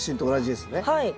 はい。